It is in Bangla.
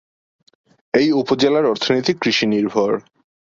এ উপজেলার অর্থনীতি কৃষি নির্ভর।